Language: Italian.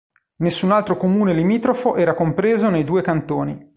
Nessun altro comune limitrofo era compreso nei due cantoni.